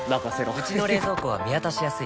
うちの冷蔵庫は見渡しやすい